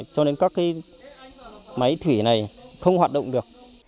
cho nên các máy thủy này không hoạt động được